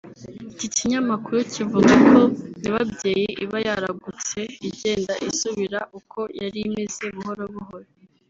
Iki kinyamakuru kivuga ko nyababyeyi iba yaragutse igenda isubira uko yari imeze buhoro buhoro